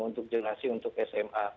untuk jurnasi untuk sma